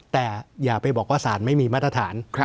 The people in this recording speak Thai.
แต่อย่าไปบอกว่าสารไม่มีมาตรฐาน